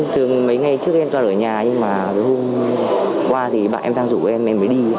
thường mấy ngày trước em toàn ở nhà nhưng mà hôm qua thì bạn em đang rủ em em mới đi